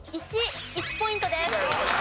１。１ポイントです。